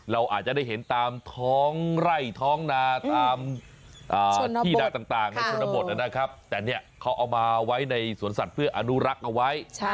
เราอาจจะได้เห็นตามท้องไร่ท้องนาตามที่นาต่างในชนบทนะครับแต่เนี่ยเขาเอามาไว้ในสวนสัตว์เพื่ออนุรักษ์เอาไว้